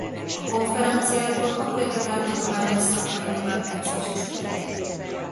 A konferenciákon akkreditált tudományos szakmai továbbképzés is folyik.